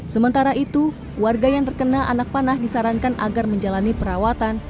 sementara itu warga yang terkena anak panah disarankan agar menjalani perawatan